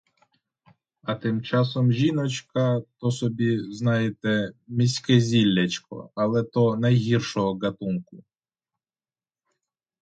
А тим часом жіночка — то собі, знаєте, міське зіллячко, але то найгіршого ґатунку.